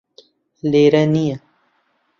لێرە نییە